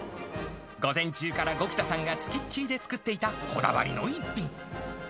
午前中から五木田さんがつきっきりで作っていたこだわりの逸品。